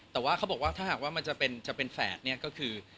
แต่ว่าเขาบอกว่าถ้าหากมันจะเป็นแฝดคือ